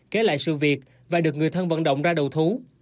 kể lại sự việc và được người thân vận động ra đầu thú